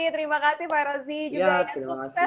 terima kasih pak rosie juga